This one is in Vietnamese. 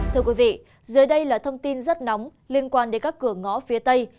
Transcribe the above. thưa quý vị dưới đây là thông tin rất nóng liên quan đến các cửa ngõ phía tây